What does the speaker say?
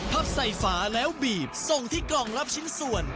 พับใส่ฝาแล้วบีบส่งที่กล่องรับชิ้นส่วน